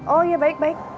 oh ya baik baik